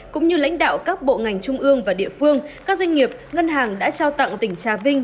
cũng như lãnh đạo các bộ ngành trung ương và địa phương các doanh nghiệp ngân hàng đã trao tặng tỉnh trà vinh